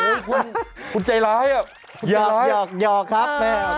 คุณใจร้ายอ่ะคุณใจร้ายน่ะหยอกครับแหล่ะ